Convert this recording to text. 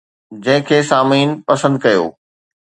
جنهن کي سامعين پسند ڪيو